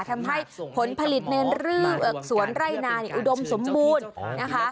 ทำให้ผลผลิตในเรื่องสวนไร่นาอุดมสมบูรณ์นะคะ